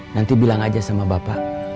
nanti bilang aja sama bapak